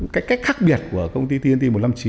cái cách khác biệt của công ty tnt một trăm năm mươi chín